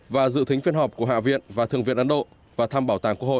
và dự thính phiên họp của hạ viện và thượng viện ấn độ và thăm bảo tàng quốc hội